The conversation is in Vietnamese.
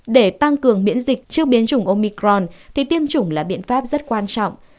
để tăng cường miễn dịch trước biến chủng omicron thì tiêm chủng là biện pháp rất quan trọng